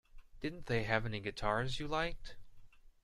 Didn't they have any guitars you liked?